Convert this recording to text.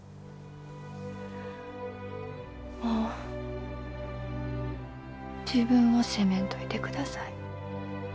もう自分を責めんといてください。